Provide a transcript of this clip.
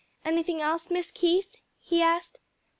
"Anything else, Miss Keith?" he asked.